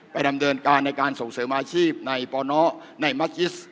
ดำเนินการในการส่งเสริมอาชีพในปนในมัสยิส